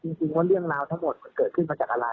จริงว่าเรื่องราวทั้งหมดมันเกิดขึ้นมาจากอะไร